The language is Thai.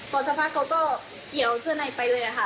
พอสักพักเขาก็เกี่ยวเสื้อในไปเลยค่ะ